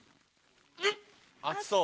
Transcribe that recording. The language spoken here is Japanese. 熱そう。